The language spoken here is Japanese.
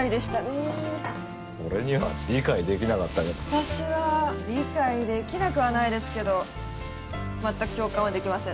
私は理解できなくはないですけど全く共感はできません。